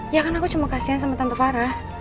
ya kan aku cuma kasihan sama tante farah